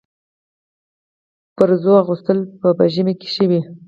برزو اغوستل په ژمي کي ښه وي.